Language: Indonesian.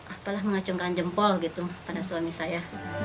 apalah mengacungkan jempol gitu pada suami saya